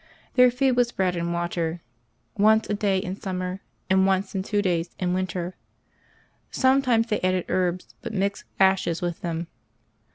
Their food was bread and water, once a day in summer, and once in two days in winter; sometimes they added herbs, but mixed ashes with them.